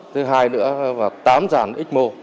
thứ hai nữa là tám dàn x mô